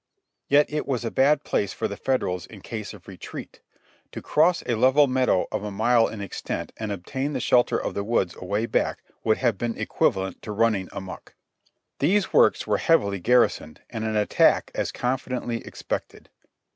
Yet it was a bad place for the Federals in case of retreat ; to cross a level meadow of a mile in extent and obtain the shelter of the woods away back would have been equivalent to running amuck. These works were heavily garrisoned, and an attack as confi dently expected.